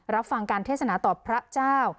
รับฟังการเทศนาต่อพระเจ้า